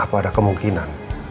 apa ada kemungkinan